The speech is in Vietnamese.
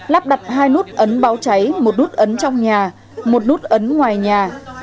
lắp đặt hai nút ấn báo cháy một nút ấn trong nhà một nút ấn ngoài nhà